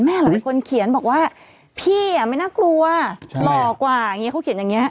หลายคนเขียนบอกว่าพี่ไม่น่ากลัวหล่อกว่าอย่างนี้เขาเขียนอย่างนี้